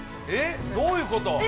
えっどういうこと？